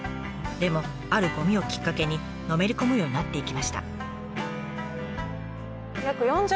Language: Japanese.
でもあるゴミをきっかけにのめり込むようになっていきました。